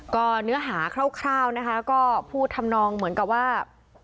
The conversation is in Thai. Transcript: ก็เนื้อหาคร่าวนะคะก็พูดทำนองเหมือนกับว่า